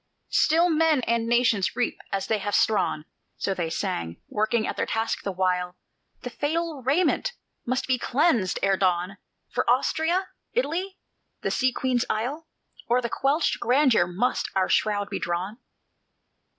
"Still men and nations reap as they have strawn," So sang they, working at their task the while; "The fatal raiment must be cleansed ere dawn: For Austria? Italy? the Sea Queen's isle? O'er what quenched grandeur must our shroud be drawn?